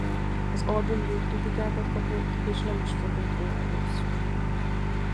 Az album jó kritikákat kapott és nem is fogyott olyan rosszul.